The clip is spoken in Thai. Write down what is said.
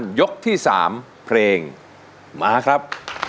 ให้ร้านยกที่สามเพลงมาครับ